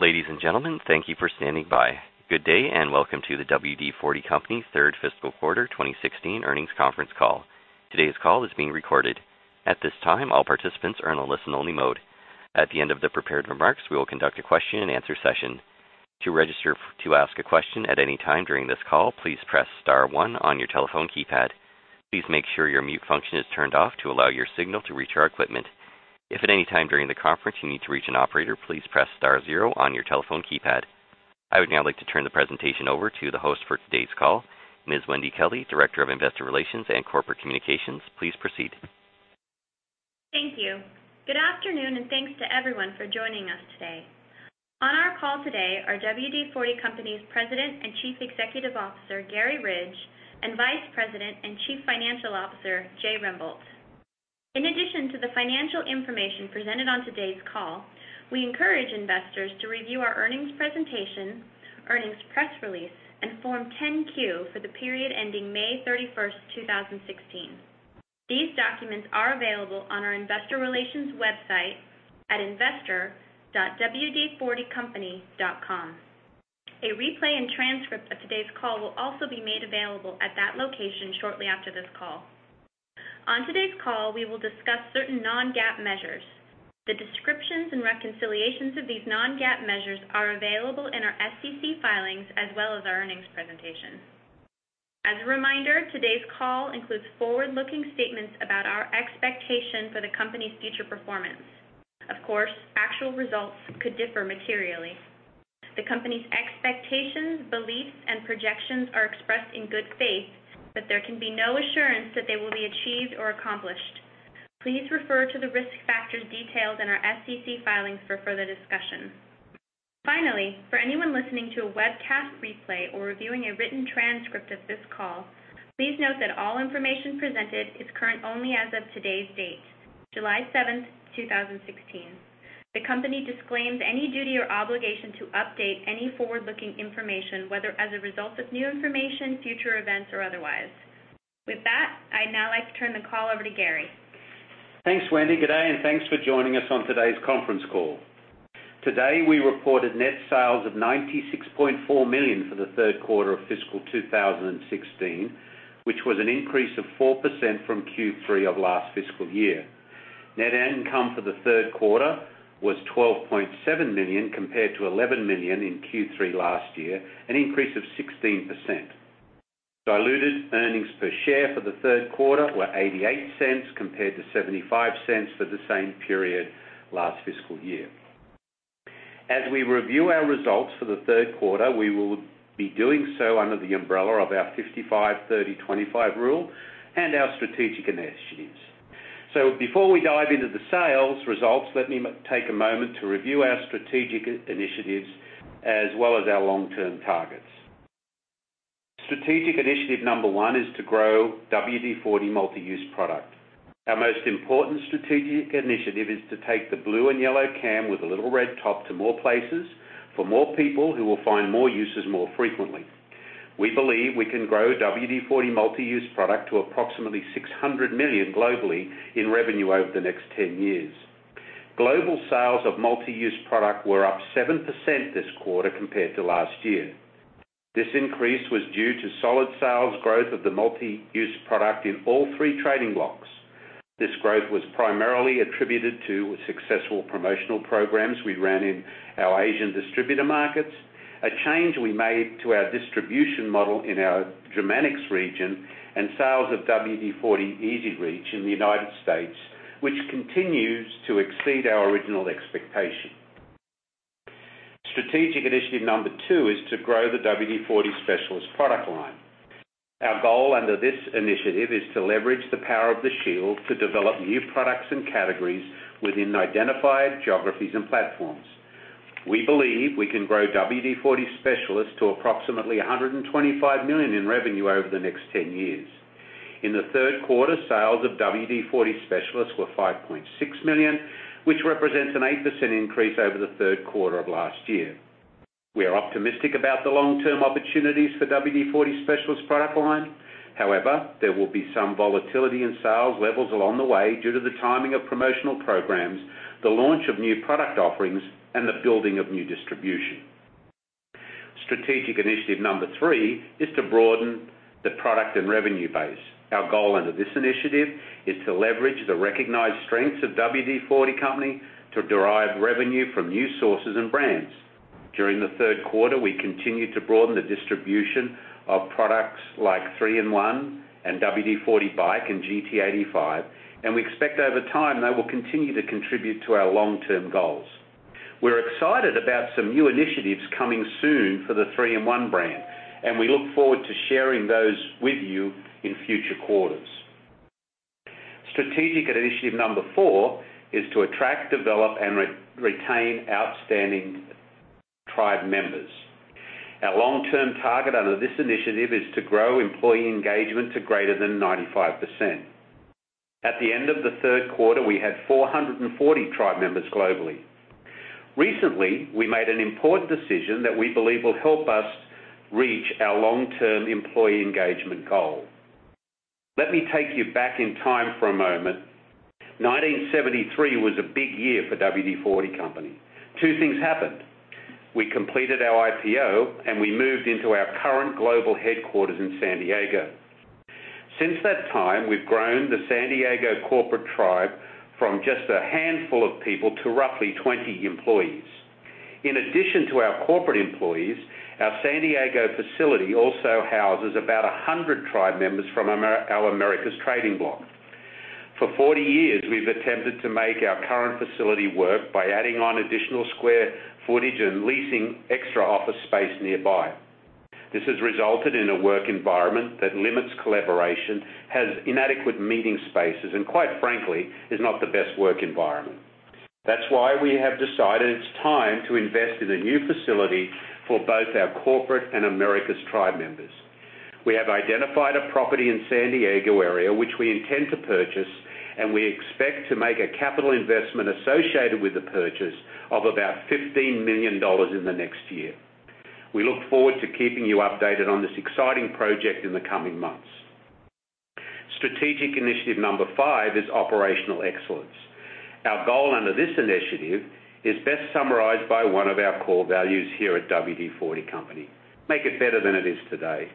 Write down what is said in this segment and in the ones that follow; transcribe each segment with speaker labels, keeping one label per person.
Speaker 1: Ladies and gentlemen, thank you for standing by. Good day and welcome to the WD-40 Company third fiscal quarter 2016 earnings conference call. Today's call is being recorded. At this time, all participants are in a listen-only mode. At the end of the prepared remarks, we will conduct a question and answer session. To register to ask a question at any time during this call, please press star one on your telephone keypad. Please make sure your mute function is turned off to allow your signal to reach our equipment. If at any time during the conference you need to reach an operator, please press star zero on your telephone keypad. I would now like to turn the presentation over to the host for today's call, Ms. Wendy Kelley, Director of Investor Relations and Corporate Communications. Please proceed.
Speaker 2: Thank you. Good afternoon, thanks to everyone for joining us today. On our call today are WD-40 Company's President and Chief Executive Officer, Garry Ridge, and Vice President and Chief Financial Officer, Jay Rembolt. In addition to the financial information presented on today's call, we encourage investors to review our earnings presentation, earnings press release, and Form 10-Q for the period ending May 31st, 2016. These documents are available on our investor relations website at investor.wd40company.com. A replay and transcript of today's call will also be made available at that location shortly after this call. On today's call, we will discuss certain non-GAAP measures. The descriptions and reconciliations of these non-GAAP measures are available in our SEC filings as well as our earnings presentation. As a reminder, today's call includes forward-looking statements about our expectation for the company's future performance. Of course, actual results could differ materially. The company's expectations, beliefs, and projections are expressed in good faith, there can be no assurance that they will be achieved or accomplished. Please refer to the risk factors detailed in our SEC filings for further discussion. Finally, for anyone listening to a webcast replay or reviewing a written transcript of this call, please note that all information presented is current only as of today's date, July 7th, 2016. The company disclaims any duty or obligation to update any forward-looking information, whether as a result of new information, future events, or otherwise. With that, I'd now like to turn the call over to Garry.
Speaker 3: Thanks, Wendy. Good day, thanks for joining us on today's conference call. Today, we reported net sales of $96.4 million for the third quarter of fiscal 2016, which was an increase of 4% from Q3 of last fiscal year. Net income for the third quarter was $12.7 million compared to $11 million in Q3 last year, an increase of 16%. Diluted earnings per share for the third quarter were $0.88 compared to $0.75 for the same period last fiscal year. As we review our results for the third quarter, we will be doing so under the umbrella of our 55/30/25 rule and our strategic initiatives. Before we dive into the sales results, let me take a moment to review our strategic initiatives as well as our long-term targets. Strategic initiative number one is to grow WD-40 Multi-Use Product. Our most important strategic initiative is to take the blue and yellow can with a little red top to more places for more people who will find more uses more frequently. We believe we can grow WD-40 Multi-Use Product to approximately $600 million globally in revenue over the next 10 years. Global sales of Multi-Use Product were up 7% this quarter compared to last year. This increase was due to solid sales growth of the Multi-Use Product in all three trading blocks. This growth was primarily attributed to successful promotional programs we ran in our Asian distributor markets, a change we made to our distribution model in our Germanics region, and sales of WD-40 EZ-REACH in the United States, which continues to exceed our original expectation. Strategic initiative number two is to grow the WD-40 Specialist product line. Our goal under this initiative is to leverage the power of the shield to develop new products and categories within identified geographies and platforms. We believe we can grow WD-40 Specialist to approximately $125 million in revenue over the next 10 years. In the third quarter, sales of WD-40 Specialist were $5.6 million, which represents an 8% increase over the third quarter of last year. We are optimistic about the long-term opportunities for WD-40 Specialist product line. However, there will be some volatility in sales levels along the way due to the timing of promotional programs, the launch of new product offerings, and the building of new distribution. Strategic initiative number three is to broaden the product and revenue base. Our goal under this initiative is to leverage the recognized strengths of WD-40 Company to derive revenue from new sources and brands. During the third quarter, we continued to broaden the distribution of products like 3-IN-ONE and WD-40 BIKE and GT85, and we expect over time they will continue to contribute to our long-term goals. We're excited about some new initiatives coming soon for the 3-IN-ONE brand, and we look forward to sharing those with you in future quarters. Strategic initiative number four is to attract, develop, and retain outstanding Tribe members. Our long-term target under this initiative is to grow employee engagement to greater than 95%. At the end of the third quarter, we had 440 Tribe members globally. Recently, we made an important decision that we believe will help us reach our long-term employee engagement goal. Let me take you back in time for a moment. 1973 was a big year for WD-40 Company. Two things happened. We completed our IPO, and we moved into our current global headquarters in San Diego. Since that time, we've grown the San Diego corporate Tribe from just a handful of people to roughly 20 employees. In addition to our corporate employees, our San Diego facility also houses about 100 Tribe members from our Americas trading block. For 40 years, we've attempted to make our current facility work by adding on additional square footage and leasing extra office space nearby. This has resulted in a work environment that limits collaboration, has inadequate meeting spaces, and quite frankly, is not the best work environment. That's why we have decided it's time to invest in a new facility for both our corporate and Americas Tribe members. We have identified a property in San Diego area which we intend to purchase, and we expect to make a capital investment associated with the purchase of about $15 million in the next year. We look forward to keeping you updated on this exciting project in the coming months. Strategic initiative number five is operational excellence. Our goal under this initiative is best summarized by one of our core values here at WD-40 Company: Make it better than it is today.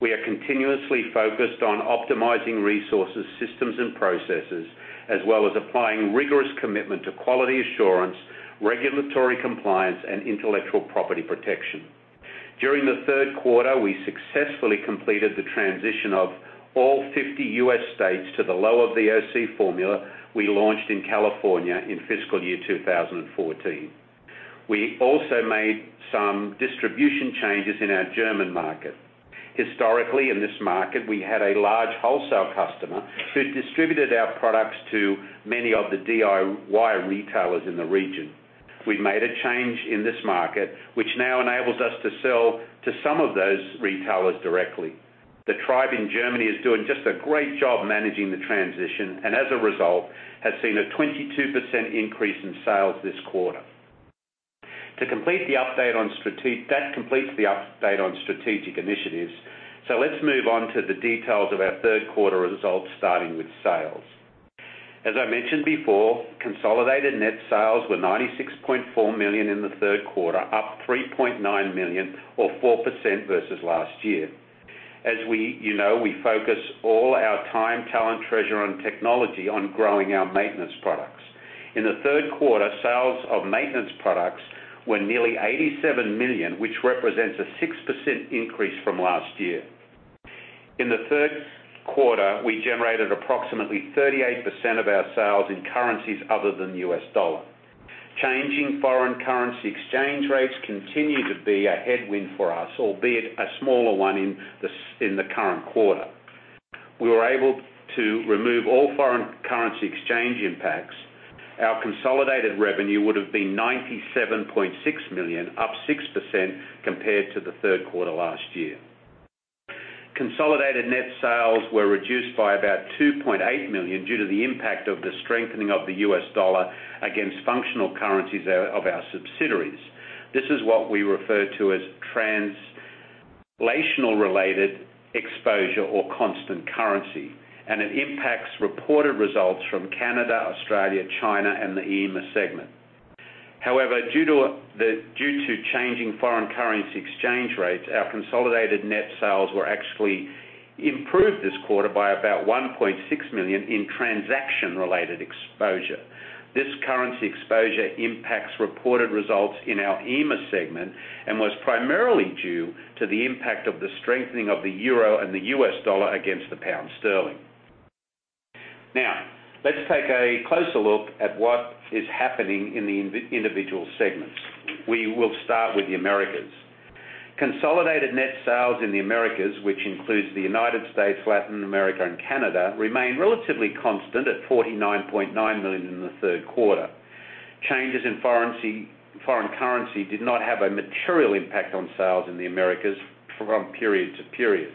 Speaker 3: We are continuously focused on optimizing resources, systems, and processes, as well as applying rigorous commitment to quality assurance, regulatory compliance, and intellectual property protection. During the third quarter, we successfully completed the transition of all 50 U.S. states to the lower VOC formula we launched in California in fiscal year 2014. We also made some distribution changes in our German market. Historically, in this market, we had a large wholesale customer who distributed our products to many of the DIY retailers in the region. We made a change in this market, which now enables us to sell to some of those retailers directly. The tribe in Germany is doing just a great job managing the transition, and as a result, has seen a 22% increase in sales this quarter. Let's move on to the details of our third quarter results, starting with sales. As I mentioned before, consolidated net sales were $96.4 million in the third quarter, up $3.9 million or 4% versus last year. As you know, we focus all our time, talent, treasure, and technology on growing our maintenance products. In the third quarter, sales of maintenance products were nearly $87 million, which represents a 6% increase from last year. In the third quarter, we generated approximately 38% of our sales in currencies other than the U.S. dollar. Changing foreign currency exchange rates continue to be a headwind for us, albeit a smaller one in the current quarter. We were able to remove all foreign currency exchange impacts. Our consolidated revenue would have been $97.6 million, up 6% compared to the third quarter last year. Consolidated net sales were reduced by about $2.8 million due to the impact of the strengthening of the U.S. dollar against functional currencies of our subsidiaries. This is what we refer to as translational-related exposure or constant currency, and it impacts reported results from Canada, Australia, China, and the EMEA segment. However, due to changing foreign currency exchange rates, our consolidated net sales were actually improved this quarter by about $1.6 million in transaction-related exposure. This currency exposure impacts reported results in our EMEA segment and was primarily due to the impact of the strengthening of the euro and the U.S. dollar against the pound sterling. Let's take a closer look at what is happening in the individual segments. We will start with the Americas. Consolidated net sales in the Americas, which includes the United States, Latin America, and Canada, remained relatively constant at $49.9 million in the third quarter. Changes in foreign currency did not have a material impact on sales in the Americas from period to period.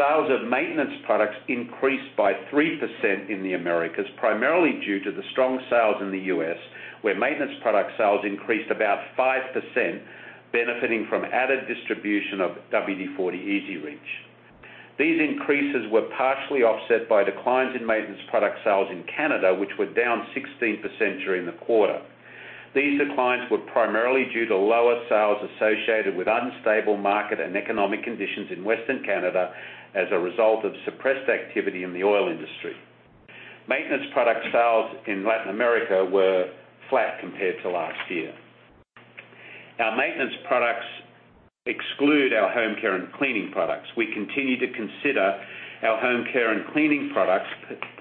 Speaker 3: Sales of maintenance products increased by 3% in the Americas, primarily due to the strong sales in the U.S., where maintenance product sales increased about 5%, benefiting from added distribution of WD-40 EZ-REACH. These increases were partially offset by declines in maintenance product sales in Canada, which were down 16% during the quarter. These declines were primarily due to lower sales associated with unstable market and economic conditions in Western Canada as a result of suppressed activity in the oil industry. Maintenance product sales in Latin America were flat compared to last year. Our maintenance products exclude our home care and cleaning products. We continue to consider our home care and cleaning products,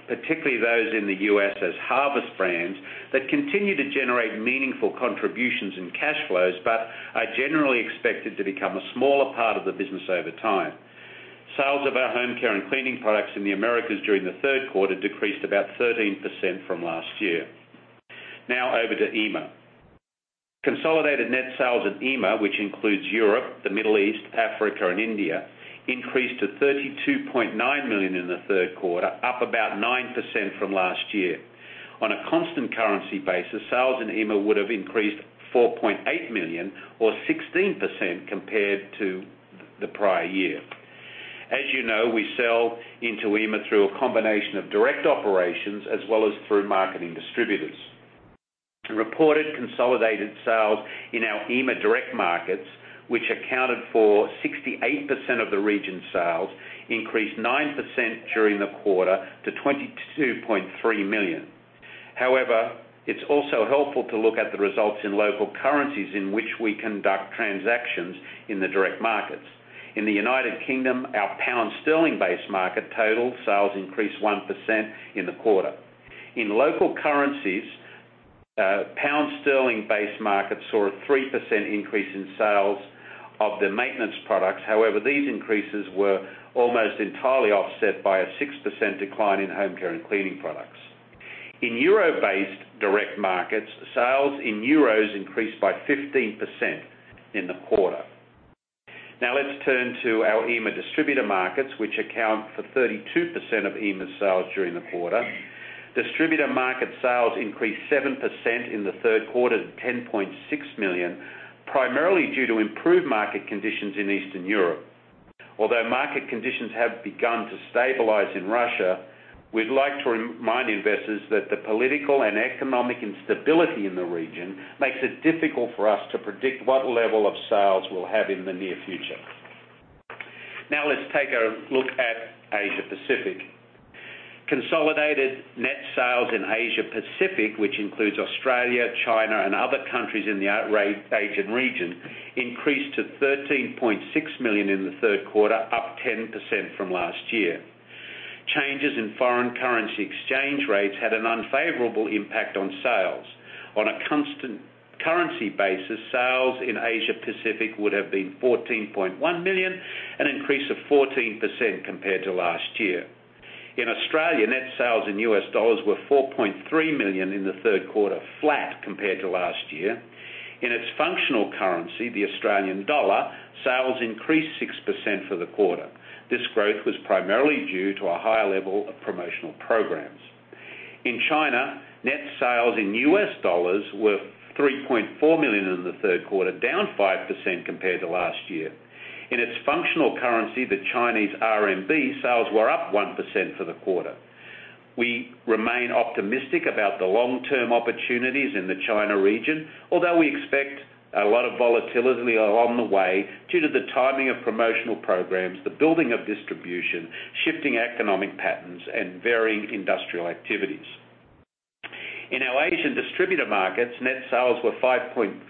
Speaker 3: particularly those in the U.S., as harvest brands that continue to generate meaningful contributions and cash flows, but are generally expected to become a smaller part of the business over time. Sales of our home care and cleaning products in the Americas during the third quarter decreased about 13% from last year. Over to EMEA. Consolidated net sales at EMEA, which includes Europe, the Middle East, Africa, and India, increased to $32.9 million in the third quarter, up about 9% from last year. On a constant currency basis, sales in EMEA would have increased $4.8 million or 16% compared to the prior year. As you know, we sell into EMEA through a combination of direct operations as well as through marketing distributors. The reported consolidated sales in our EMEA direct markets, which accounted for 68% of the region's sales, increased 9% during the quarter to $22.3 million. It's also helpful to look at the results in local currencies in which we conduct transactions in the direct markets. In the U.K., our pound sterling-based market total sales increased 1% in the quarter. In local currencies, pound sterling-based markets saw a 3% increase in sales of their maintenance products. These increases were almost entirely offset by a 6% decline in home care and cleaning products. In EUR-based direct markets, sales in EUR increased by 15% in the quarter. Let's turn to our EMEA distributor markets, which account for 32% of EMEA's sales during the quarter. Distributor market sales increased 7% in the third quarter to $10.6 million, primarily due to improved market conditions in Eastern Europe. Although market conditions have begun to stabilize in Russia, we'd like to remind investors that the political and economic instability in the region makes it difficult for us to predict what level of sales we'll have in the near future. Let's take a look at Asia Pacific. Consolidated net sales in Asia Pacific, which includes Australia, China, and other countries in the Asian region, increased to $13.6 million in the third quarter, up 10% from last year. Changes in foreign currency exchange rates had an unfavorable impact on sales. On a constant currency basis, sales in Asia Pacific would have been $14.1 million, an increase of 14% compared to last year. In Australia, net sales in U.S. dollars were $4.3 million in the third quarter, flat compared to last year. In its functional currency, the AUD, sales increased 6% for the quarter. This growth was primarily due to a higher level of promotional programs. In China, net sales in U.S. dollars were $3.4 million in the third quarter, down 5% compared to last year. In its functional currency, the RMB, sales were up 1% for the quarter. We remain optimistic about the long-term opportunities in the China region, although we expect a lot of volatility along the way due to the timing of promotional programs, the building of distribution, shifting economic patterns, and varying industrial activities. In our Asian distributor markets, net sales were $5.9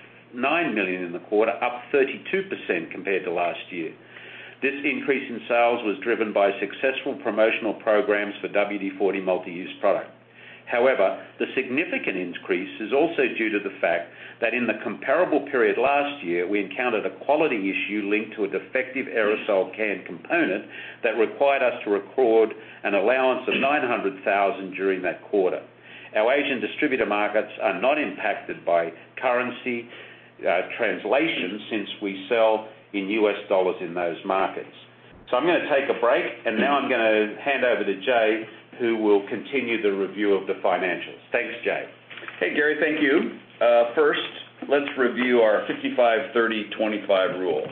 Speaker 3: million in the quarter, up 32% compared to last year. This increase in sales was driven by successful promotional programs for WD-40 Multi-Use Product. However, the significant increase is also due to the fact that in the comparable period last year, we encountered a quality issue linked to a defective aerosol can component that required us to record an allowance of $900,000 during that quarter. Our Asian distributor markets are not impacted by currency translations since we sell in US dollars in those markets. I'm going to take a break and now I'm going to hand over to Jay, who will continue the review of the financials. Thanks, Jay.
Speaker 4: Hey, Garry. Thank you. First, let's review our 55/30/25 rule.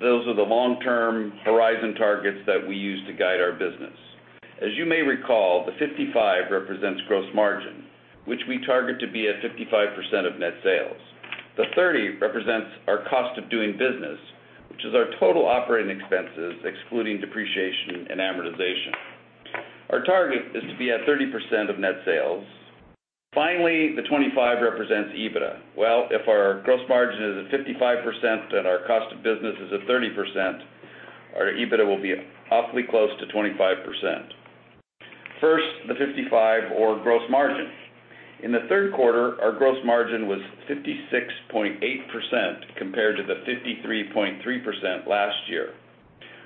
Speaker 4: Those are the long-term horizon targets that we use to guide our business. As you may recall, the 55 represents gross margin, which we target to be at 55% of net sales. The 30 represents our cost of doing business, which is our total operating expenses excluding depreciation and amortization. Our target is to be at 30% of net sales. Finally, the 25 represents EBITDA. Well, if our gross margin is at 55% and our cost of business is at 30%, our EBITDA will be awfully close to 25%. First, the 55 or gross margin. In the third quarter, our gross margin was 56.8% compared to the 53.3% last year.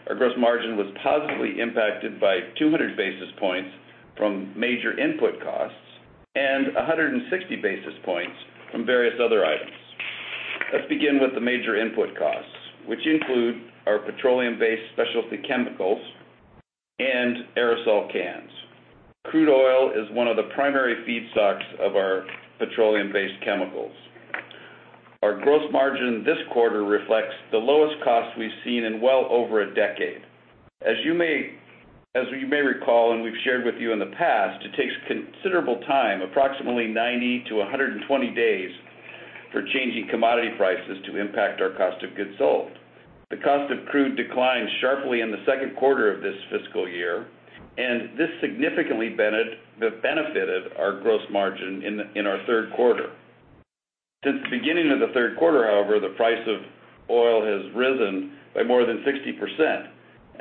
Speaker 4: Our gross margin was positively impacted by 200 basis points from major input costs and 160 basis points from various other items. Let's begin with the major input costs, which include our petroleum-based specialty chemicals and aerosol cans. Crude oil is one of the primary feedstocks of our petroleum-based chemicals. Our gross margin this quarter reflects the lowest cost we've seen in well over a decade. As you may recall and we've shared with you in the past, it takes considerable time, approximately 90-120 days, for changing commodity prices to impact our cost of goods sold. The cost of crude declined sharply in the second quarter of this fiscal year, this significantly benefited our gross margin in our third quarter. Since the beginning of the third quarter, however, the price of oil has risen by more than 60%.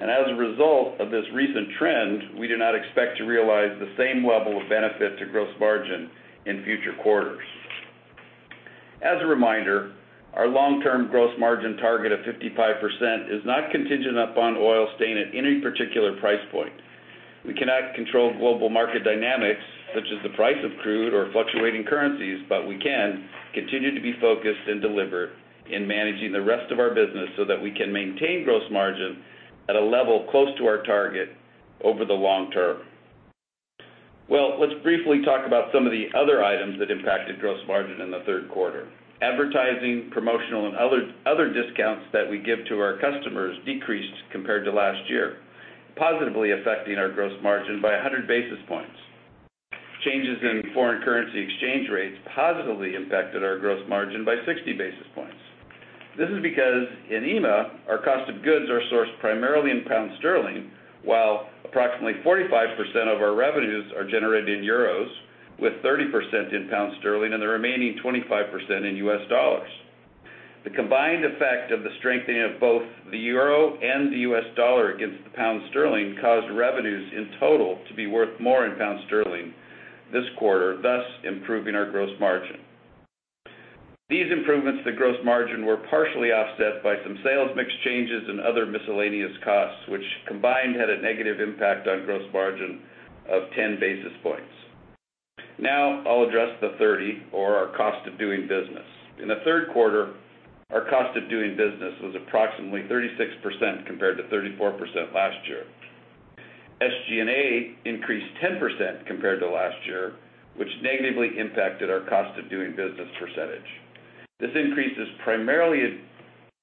Speaker 4: As a result of this recent trend, we do not expect to realize the same level of benefit to gross margin in future quarters. As a reminder, our long-term gross margin target of 55% is not contingent upon oil staying at any particular price point. We cannot control global market dynamics, such as the price of crude or fluctuating currencies, we can continue to be focused and deliver in managing the rest of our business so that we can maintain gross margin at a level close to our target over the long term. Well, let's briefly talk about some of the other items that impacted gross margin in the third quarter. Advertising, promotional, and other discounts that we give to our customers decreased compared to last year, positively affecting our gross margin by 100 basis points. Changes in foreign currency exchange rates positively impacted our gross margin by 60 basis points. This is because in EMEA, our cost of goods are sourced primarily in GBP, while approximately 45% of our revenues are generated in EUR, with 30% in GBP and the remaining 25% in USD. The combined effect of the strengthening of both the EUR and the USD against the GBP caused revenues in total to be worth more in GBP this quarter, thus improving our gross margin. These improvements to gross margin were partially offset by some sales mix changes and other miscellaneous costs, which combined had a negative impact on gross margin of 10 basis points. I'll address the 30, or our cost of doing business. In the third quarter, our cost of doing business was approximately 36% compared to 34% last year. SG&A increased 10% compared to last year, which negatively impacted our cost of doing business percentage. This increase is primarily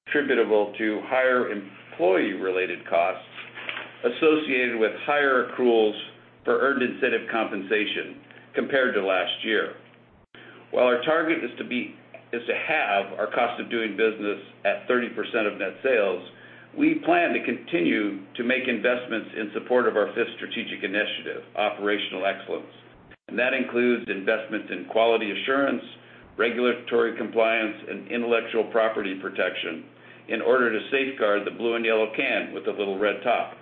Speaker 4: attributable to higher employee-related costs associated with higher accruals for earned incentive compensation compared to last year. While our target is to have our cost of doing business at 30% of net sales, we plan to continue to make investments in support of our fifth strategic initiative, operational excellence. That includes investments in quality assurance, regulatory compliance, and intellectual property protection in order to safeguard the blue and yellow can with the little red top.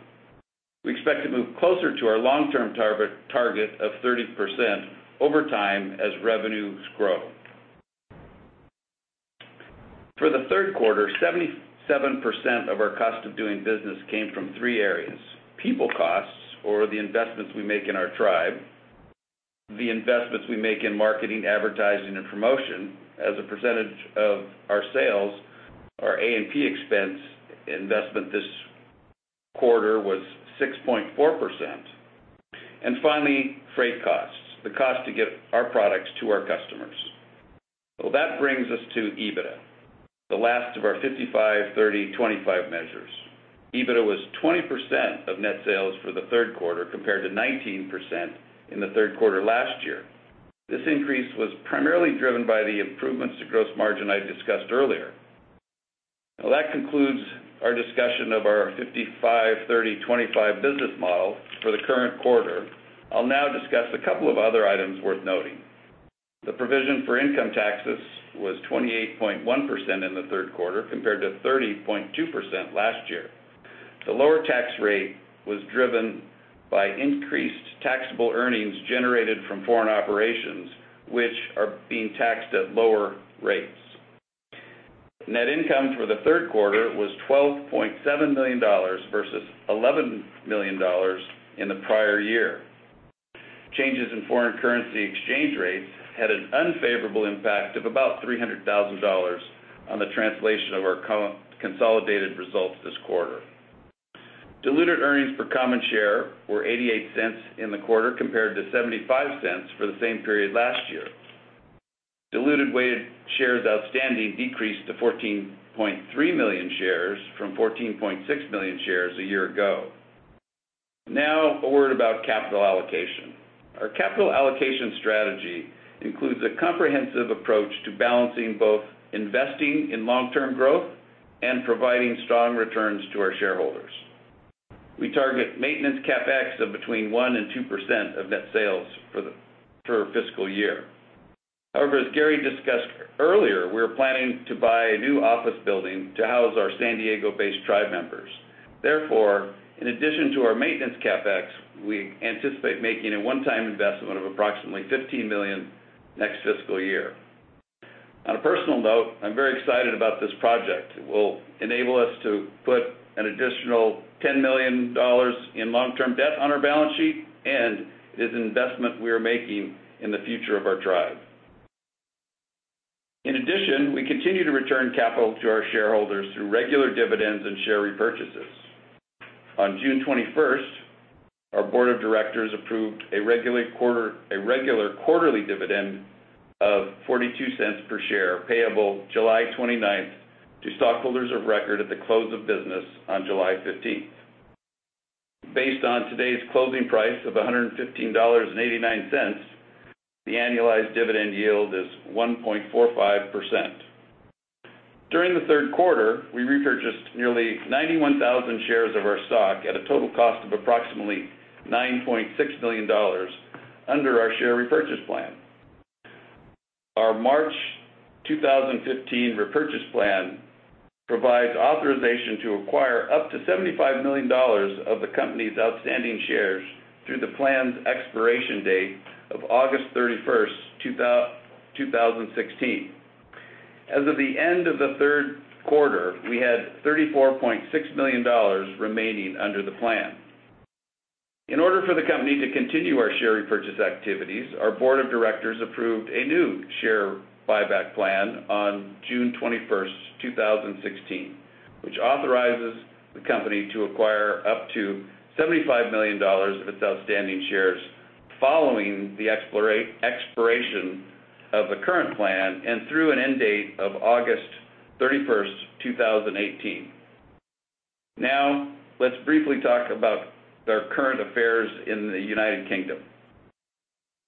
Speaker 4: We expect to move closer to our long-term target of 30% over time as revenues grow. For the third quarter, 77% of our cost of doing business came from three areas. People costs, or the investments we make in our tribe, the investments we make in marketing, advertising, and promotion as a percentage of our sales. Our A&P expense investment this quarter was 6.4%. Finally, freight costs, the cost to get our products to our customers. Well, that brings us to EBITDA, the last of our 55/30/25 measures. EBITDA was 20% of net sales for the third quarter, compared to 19% in the third quarter last year. This increase was primarily driven by the improvements to gross margin I discussed earlier. That concludes our discussion of our 55/30/25 business model for the current quarter. I'll now discuss a couple of other items worth noting. The provision for income taxes was 28.1% in the third quarter, compared to 30.2% last year. The lower tax rate was driven by increased taxable earnings generated from foreign operations, which are being taxed at lower rates. Net income for the third quarter was $12.7 million, versus $11 million in the prior year. Changes in foreign currency exchange rates had an unfavorable impact of about $300,000 on the translation of our consolidated results this quarter. Diluted earnings per common share were $0.88 in the quarter, compared to $0.75 for the same period last year. Diluted weighted shares outstanding decreased to 14.3 million shares from 14.6 million shares a year ago. A word about capital allocation. Our capital allocation strategy includes a comprehensive approach to balancing both investing in long-term growth and providing strong returns to our shareholders. We target maintenance CapEx of between 1% and 2% of net sales per fiscal year. However, as Garry discussed earlier, we are planning to buy a new office building to house our San Diego-based tribe members. Therefore, in addition to our maintenance CapEx, we anticipate making a one-time investment of approximately $15 million next fiscal year. On a personal note, I'm very excited about this project. It will enable us to put an additional $10 million in long-term debt on our balance sheet, and it is an investment we are making in the future of our tribe. In addition, we continue to return capital to our shareholders through regular dividends and share repurchases. On June 21st, our board of directors approved a regular quarterly dividend of $0.42 per share, payable July 29th to stockholders of record at the close of business on July 15th. Based on today's closing price of $115.89, the annualized dividend yield is 1.45%. During the third quarter, we repurchased nearly 91,000 shares of our stock at a total cost of approximately $9.6 million under our share repurchase plan. Our March 2015 repurchase plan provides authorization to acquire up to $75 million of the company's outstanding shares through the plan's expiration date of August 31st, 2016. As of the end of the third quarter, we had $34.6 million remaining under the plan. In order for the company to continue our share repurchase activities, our board of directors approved a new share buyback plan on June 21st, 2016, which authorizes the company to acquire up to $75 million of its outstanding shares following the expiration of the current plan and through an end date of August 31st, 2018. Let's briefly talk about our current affairs in the U.K.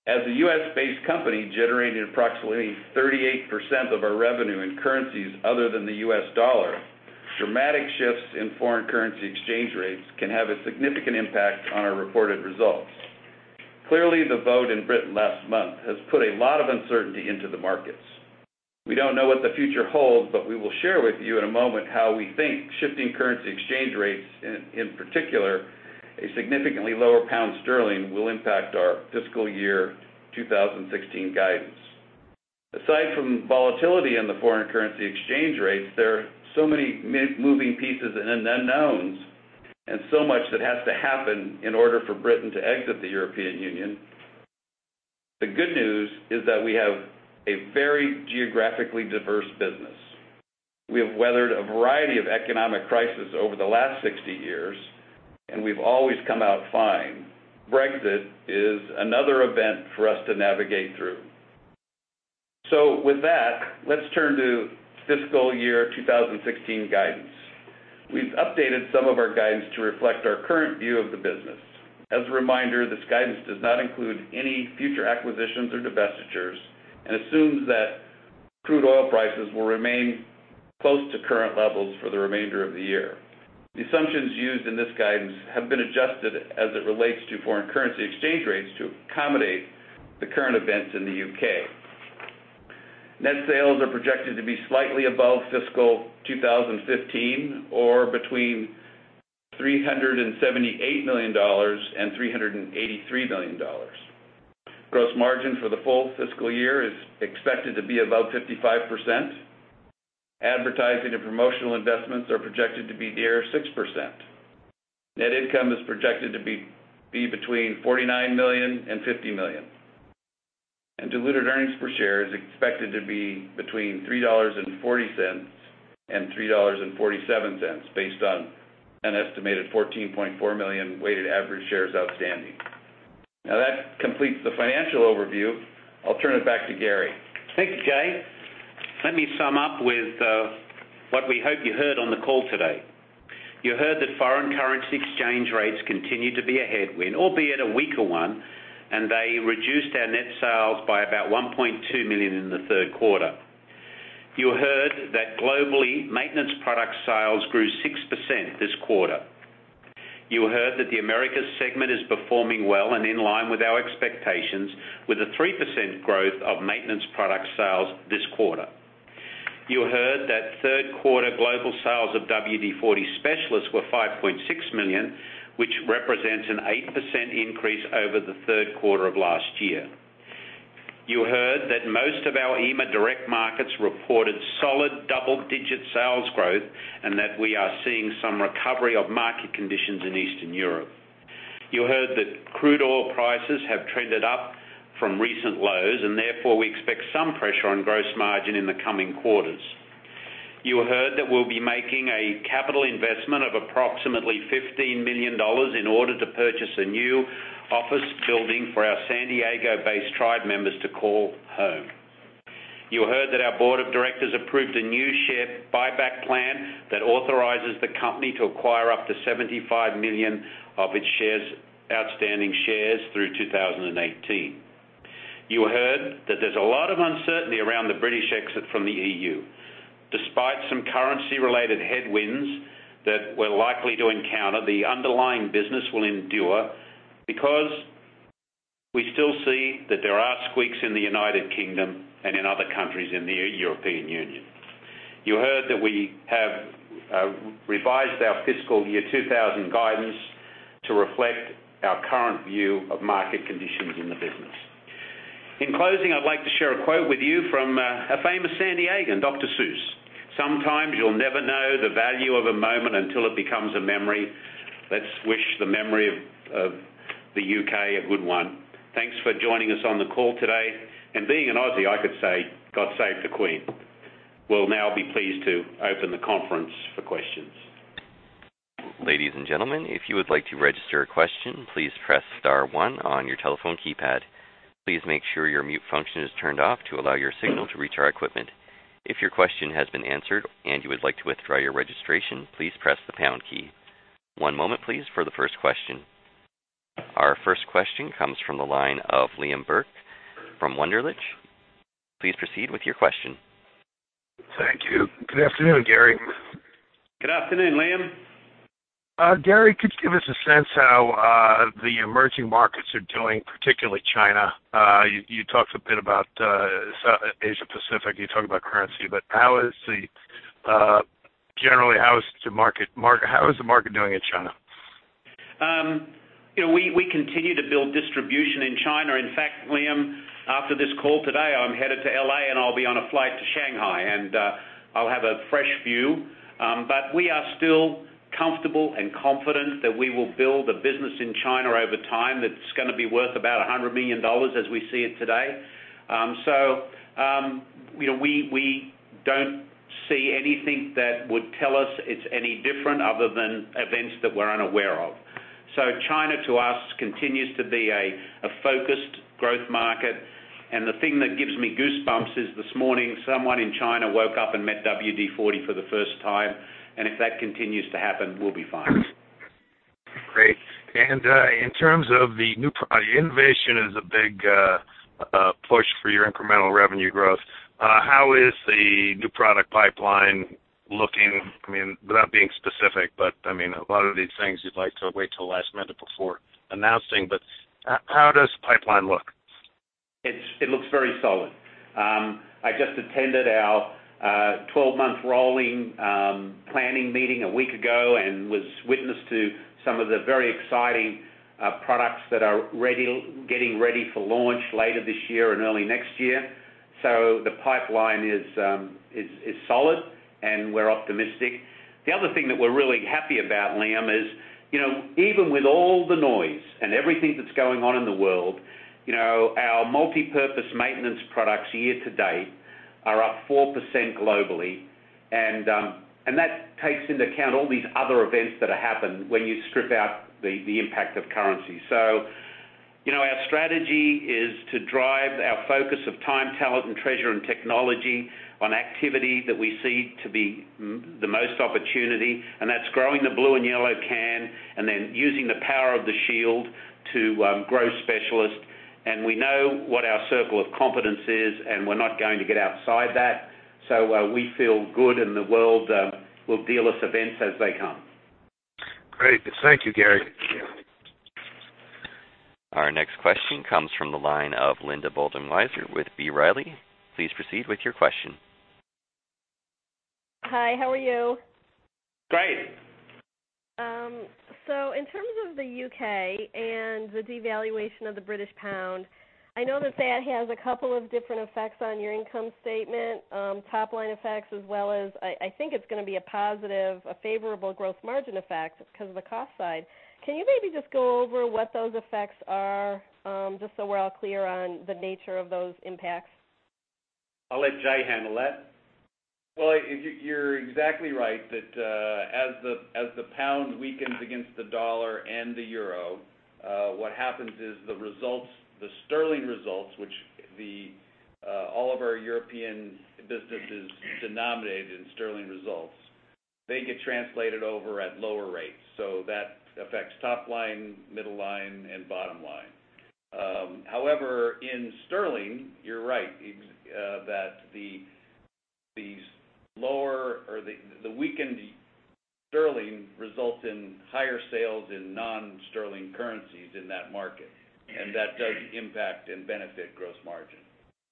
Speaker 4: As a U.S.-based company generating approximately 38% of our revenue in currencies other than the US dollar, dramatic shifts in foreign currency exchange rates can have a significant impact on our reported results. Clearly, the vote in Britain last month has put a lot of uncertainty into the markets. We don't know what the future holds, but we will share with you in a moment how we think shifting currency exchange rates, in particular, a significantly lower pound sterling, will impact our fiscal year 2016 guidance. Aside from volatility in the foreign currency exchange rates, there are so many moving pieces and unknowns and so much that has to happen in order for Britain to exit the European Union. The good news is that we have a very geographically diverse business. We have weathered a variety of economic crisis over the last 60 years, and we've always come out fine. Brexit is another event for us to navigate through. So with that, let's turn to fiscal year 2016 guidance. We've updated some of our guidance to reflect our current view of the business. As a reminder, this guidance does not include any future acquisitions or divestitures and assumes that crude oil prices will remain close to current levels for the remainder of the year. The assumptions used in this guidance have been adjusted as it relates to foreign currency exchange rates to accommodate the current events in the U.K. Net sales are projected to be slightly above fiscal 2015 or between $378 million and $383 million. Gross margin for the full fiscal year is expected to be above 55%. Advertising and promotional investments are projected to be near 6%. Net income is projected to be between $49 million and $50 million. And diluted earnings per share is expected to be between $3.40 and $3.47, based on an estimated 14.4 million weighted average shares outstanding. Now, that completes the financial overview. I'll turn it back to Garry.
Speaker 3: Thank you, Jay. Let me sum up with what we hope you heard on the call today. You heard that foreign currency exchange rates continue to be a headwind, albeit a weaker one, and they reduced our net sales by about $1.2 million in the third quarter. You heard that globally, maintenance product sales grew 6% this quarter. You heard that the Americas segment is performing well and in line with our expectations with a 3% growth of maintenance product sales this quarter. You heard that third quarter global sales of WD-40 Specialist were $5.6 million, which represents an 8% increase over the third quarter of last year. You heard that most of our EMEA direct markets reported solid double-digit sales growth and that we are seeing some recovery of market conditions in Eastern Europe. You heard that crude oil prices have trended up from recent lows, therefore, we expect some pressure on gross margin in the coming quarters. You heard that we'll be making a capital investment of approximately $15 million in order to purchase a new office building for our San Diego-based tribe members to call home. You heard that our board of directors approved a new share buyback plan that authorizes the company to acquire up to $75 million of its outstanding shares through 2018. You heard that there's a lot of uncertainty around the British exit from the EU. Despite some currency-related headwinds that we're likely to encounter, the underlying business will endure because we still see that there are squeaks in the United Kingdom and in other countries in the European Union. You heard that we have revised our fiscal year 2016 guidance to reflect our current view of market conditions in the business. In closing, I'd like to share a quote with you from a famous San Diegan, Dr. Seuss, "Sometimes you'll never know the value of a moment until it becomes a memory." Let's wish the memory of the U.K. a good one. Thanks for joining us on the call today, being an Aussie, I could say, God save the Queen. We'll now be pleased to open the conference for questions.
Speaker 1: Ladies and gentlemen, if you would like to register a question, please press *1 on your telephone keypad. Please make sure your mute function is turned off to allow your signal to reach our equipment. If your question has been answered and you would like to withdraw your registration, please press the # key. One moment, please, for the first question. Our first question comes from the line of Liam Burke from Wunderlich. Please proceed with your question.
Speaker 5: Thank you. Good afternoon, Garry.
Speaker 3: Good afternoon, Liam.
Speaker 5: Garry, could you give us a sense how the emerging markets are doing, particularly China? You talked a bit about Asia Pacific. You talked about currency. Generally, how is the market doing in China?
Speaker 3: We continue to build distribution in China. In fact, Liam, after this call today, I'm headed to L.A., and I'll be on a flight to Shanghai, and I'll have a fresh view. We are still comfortable and confident that we will build a business in China over time that's going to be worth about $100 million as we see it today. We don't see anything that would tell us it's any different other than events that we're unaware of. China, to us, continues to be a focused growth market. The thing that gives me goosebumps is this morning, someone in China woke up and met WD-40 for the first time. If that continues to happen, we'll be fine.
Speaker 5: Great. In terms of the new product, innovation is a big push for your incremental revenue growth. How is the new product pipeline looking? Without being specific, a lot of these things you'd like to wait till last minute before announcing. How does the pipeline look?
Speaker 3: It looks very solid. I just attended our 12-month rolling planning meeting a week ago and was witness to some of the very exciting products that are getting ready for launch later this year and early next year. The pipeline is solid, and we're optimistic. The other thing that we're really happy about, Liam, is, even with all the noise and everything that's going on in the world, our multipurpose maintenance products year to date are up 4% globally. That takes into account all these other events that happen when you strip out the impact of currency. Our strategy is to drive our focus of time, talent, and treasure, and technology on activity that we see to be the most opportunity, and that's growing the blue and yellow can, and then using the power of the shield to grow Specialists. We know what our circle of competence is, and we're not going to get outside that. We feel good, and the world will deal us events as they come.
Speaker 5: Great. Thank you, Garry.
Speaker 1: Our next question comes from the line of Linda Bolton-Weiser with B. Riley, please proceed with your question.
Speaker 6: Hi, how are you?
Speaker 3: GreatIn terms of the U.K. and the devaluation of the British pound, I know that has a couple of different effects on your income statement, top-line effects as well as, I think it's going to be a positive, a favorable growth margin effect because of the cost side. Can you maybe just go over what those effects are? Just so we're all clear on the nature of those impacts. I'll let Jay handle that.
Speaker 4: Well, you're exactly right that as the pound weakens against the dollar and the euro, what happens is the sterling results, which all of our European businesses denominated in sterling results, they get translated over at lower rates. That affects top line, middle line, and bottom line. However, in sterling, you're right, that the weakened sterling results in higher sales in non-sterling currencies in that market, and that does impact and benefit gross margin.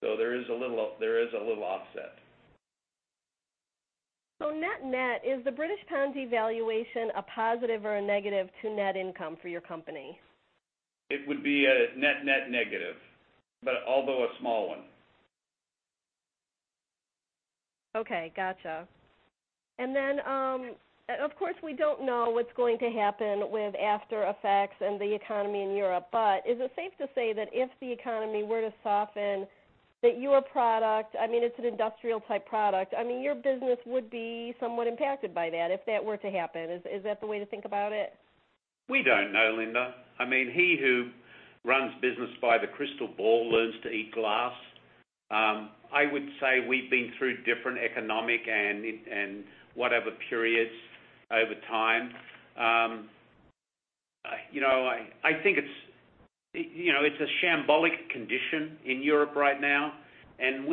Speaker 4: There is a little offset.
Speaker 6: Net-net, is the British pound devaluation a positive or a negative to net income for your company?
Speaker 4: It would be a net-net negative, although a small one.
Speaker 6: Okay, gotcha. Of course, we don't know what's going to happen with aftereffects and the economy in Europe, is it safe to say that if the economy were to soften, that your product, it's an industrial-type product, your business would be somewhat impacted by that if that were to happen? Is that the way to think about it?
Speaker 3: We don't know, Linda. He who runs business by the crystal ball learns to eat glass. I would say we've been through different economic and whatever periods over time. I think it's a shambolic condition in Europe right now. I'm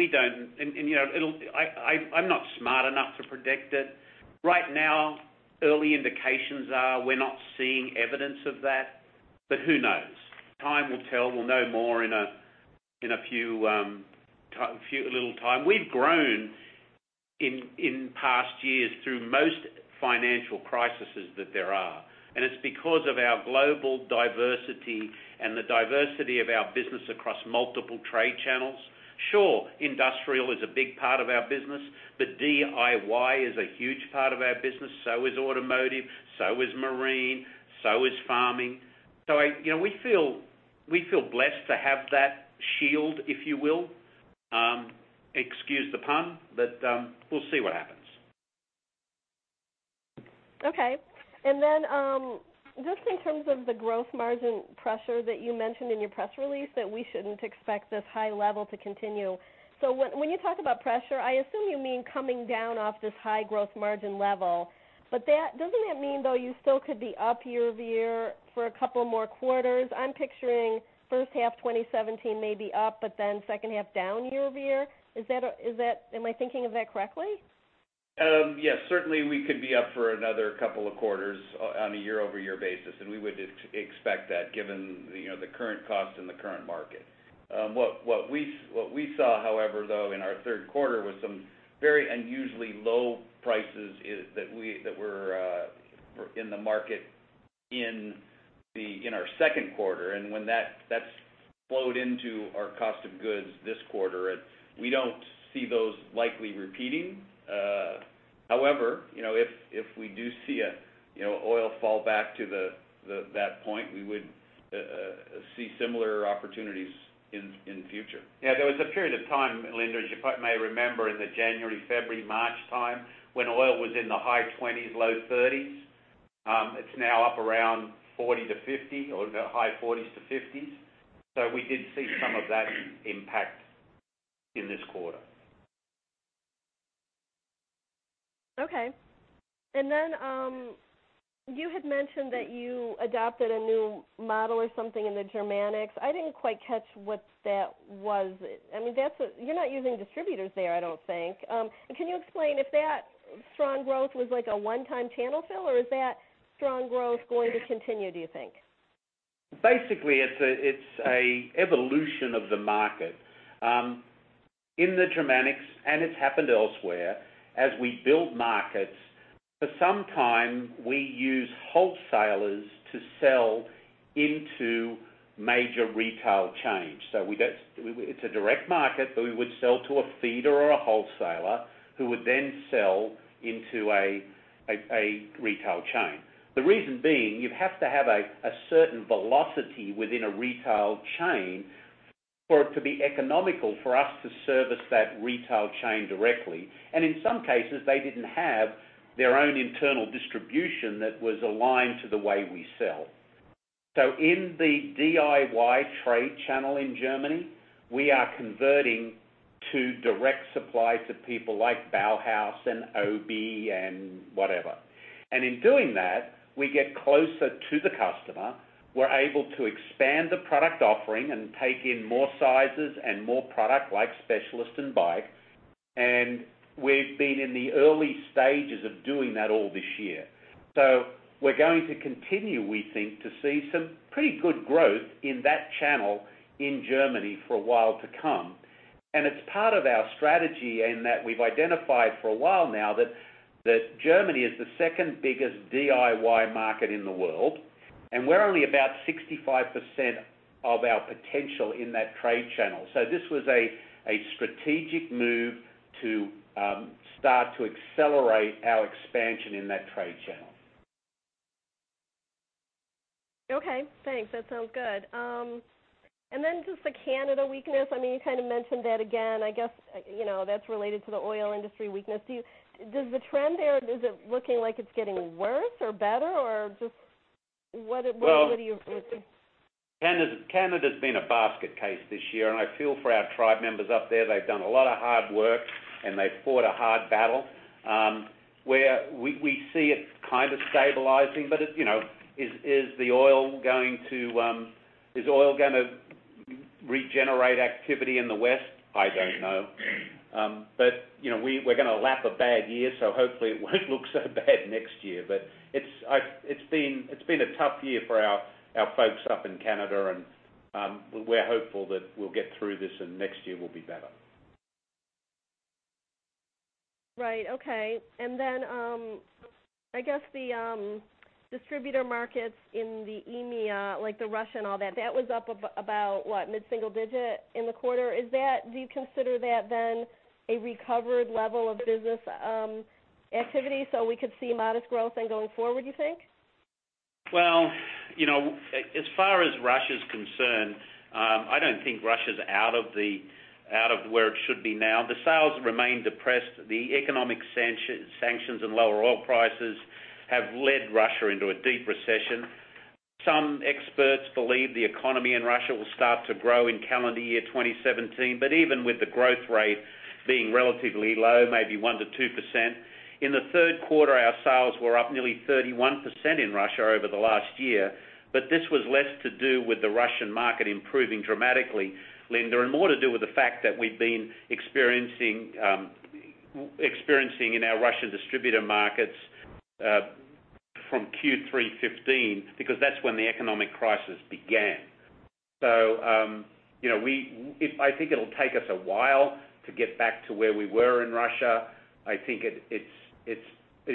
Speaker 3: not smart enough to predict it. Right now, early indications are we're not seeing evidence of that. Who knows? Time will tell. We'll know more in a little time. We've grown in past years through most financial crises that there are. It's because of our global diversity and the diversity of our business across multiple trade channels. Sure, industrial is a big part of our business, but DIY is a huge part of our business. Is automotive, is marine, is farming. We feel blessed to have that shield, if you will. Excuse the pun, but we'll see what happens.
Speaker 6: Okay. Then, just in terms of the growth margin pressure that you mentioned in your press release that we shouldn't expect this high level to continue. When you talk about pressure, I assume you mean coming down off this high growth margin level. Doesn't that mean, though, you still could be up year-over-year for a couple more quarters? I'm picturing first half 2017 may be up, but then second half down year-over-year. Am I thinking of that correctly?
Speaker 4: Yes. Certainly, we could be up for another couple of quarters on a year-over-year basis. We would expect that given the current cost and the current market. What we saw, however, though, in our third quarter was some very unusually low prices that were in the market in our second quarter. When that's flowed into our cost of goods this quarter, we don't see those likely repeating. However, if we do see oil fall back to that point, we would see similar opportunities in future.
Speaker 3: Yeah. There was a period of time, Linda, as you may remember, in the January, February, March time when oil was in the high $20s, low $30s. It's now up around $40-$50 or the high $40s-$50s. We did see some of that impact in this quarter.
Speaker 6: Okay. You had mentioned that you adopted a new model or something in the Germanics. I didn't quite catch what that was. You're not using distributors there, I don't think. Can you explain if that strong growth was like a one-time channel fill, or is that strong growth going to continue, do you think?
Speaker 3: It's an evolution of the market. In the Germanics, it's happened elsewhere, as we build markets, for some time, we use wholesalers to sell into major retail chains. It's a direct market, but we would sell to a feeder or a wholesaler who would then sell into a retail chain. The reason being, you have to have a certain velocity within a retail chain for it to be economical for us to service that retail chain directly, and in some cases, they didn't have their own internal distribution that was aligned to the way we sell. In the DIY trade channel in Germany, we are converting to direct supply to people like Bauhaus and Obi and whatever. In doing that, we get closer to the customer. We're able to expand the product offering and take in more sizes and more product, like Specialist and Bike. We've been in the early stages of doing that all this year. We're going to continue, we think, to see some pretty good growth in that channel in Germany for a while to come. It's part of our strategy in that we've identified for a while now that Germany is the second biggest DIY market in the world, and we're only about 65% of our potential in that trade channel. This was a strategic move to start to accelerate our expansion in that trade channel.
Speaker 6: Okay, thanks. That sounds good. Just the Canada weakness, you kind of mentioned that again, I guess that's related to the oil industry weakness. Does the trend there, is it looking like it's getting worse or better? Or just what are you-
Speaker 3: Canada's been a basket case this year, and I feel for our tribe members up there. They've done a lot of hard work, and they've fought a hard battle. We see it kind of stabilizing, but is oil going to regenerate activity in the West? I don't know. We're going to lap a bad year, so hopefully it won't look so bad next year. It's been a tough year for our folks up in Canada, and we're hopeful that we'll get through this and next year will be better.
Speaker 6: Right. Okay. I guess the distributor markets in the EMEA, like the Russia and all that was up about what, mid-single digit in the quarter? Do you consider that then a recovered level of business activity, so we could see modest growth then going forward, you think?
Speaker 3: As far as Russia's concerned, I don't think Russia's out of where it should be now. The sales remain depressed. The economic sanctions and lower oil prices have led Russia into a deep recession. Some experts believe the economy in Russia will start to grow in calendar year 2017, but even with the growth rate being relatively low, maybe 1%-2%. In the third quarter, our sales were up nearly 31% in Russia over the last year. This was less to do with the Russian market improving dramatically, Linda, and more to do with the fact that we've been experiencing in our Russia distributor markets, from Q3 2015, because that's when the economic crisis began. I think it'll take us a while to get back to where we were in Russia. I think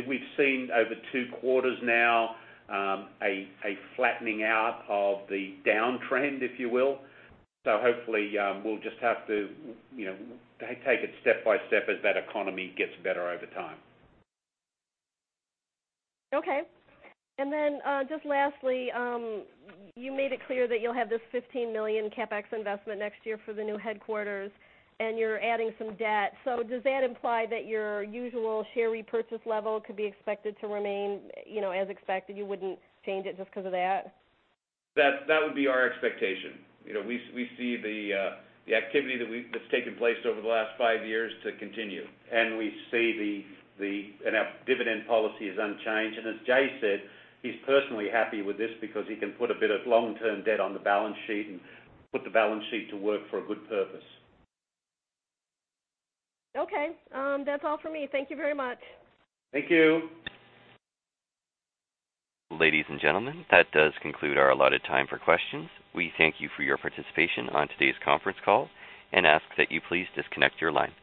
Speaker 3: we've seen over two quarters now, a flattening out of the downtrend, if you will. Hopefully, we'll just have to take it step by step as that economy gets better over time.
Speaker 6: Okay. Just lastly, you made it clear that you'll have this $15 million CapEx investment next year for the new headquarters, you're adding some debt. Does that imply that your usual share repurchase level could be expected to remain as expected? You wouldn't change it just because of that?
Speaker 3: That would be our expectation. We see the activity that's taken place over the last five years to continue, our dividend policy is unchanged. As Jay said, he's personally happy with this because he can put a bit of long-term debt on the balance sheet and put the balance sheet to work for a good purpose.
Speaker 6: Okay. That's all for me. Thank you very much.
Speaker 3: Thank you.
Speaker 1: Ladies and gentlemen, that does conclude our allotted time for questions. We thank you for your participation on today's conference call. We ask that you please disconnect your line.